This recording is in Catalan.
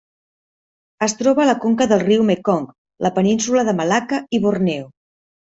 Es troba a la conca del riu Mekong, la Península de Malacca i Borneo.